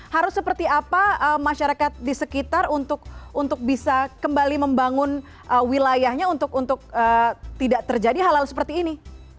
harus seperti apa masyarakat di sekitar untuk bisa kembali membangun wilayahnya untuk tidak terjadi hal hal seperti ini